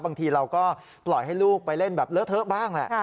บางทีเราก็ปล่อยให้ลูกไปเล่นแบบเลอะเทอะบ้างแหละ